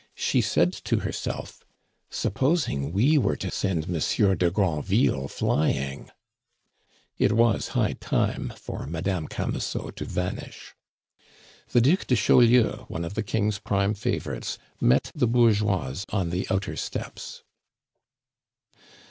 She said to herself: "Supposing we were to send Monsieur de Granville flying " It was high time for Madame Camusot to vanish. The Duc de Chaulieu, one of the King's prime favorites, met the bourgeoise on the outer steps.